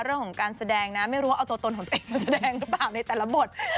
เรื่องของการแสดงนะไม่รู้ว่าเอาตัวตนของตัวเองมาแสดงหรือเปล่าในแต่ละบท